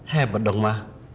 hebat dong ma